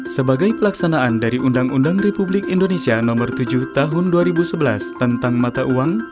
sebagai pelaksanaan dari undang undang republik indonesia nomor tujuh tahun dua ribu sebelas tentang mata uang